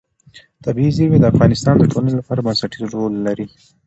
طبیعي زیرمې د افغانستان د ټولنې لپاره بنسټيز رول لري.